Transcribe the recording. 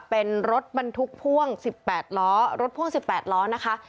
เป็นรถบรรทุกพ่วงสิบแปดล้อรถพ่วงสิบแปดล้อนะคะ